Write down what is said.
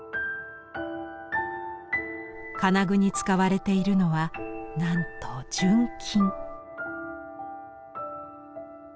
金具に使われているのはなんと純金。